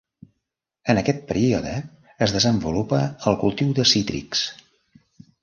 En aquest període es desenvolupa el cultiu de cítrics.